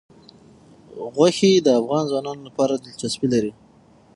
غوښې د افغان ځوانانو لپاره دلچسپي لري.